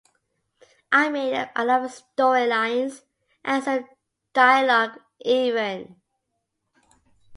I made up a lot of story lines and some dialogue, even.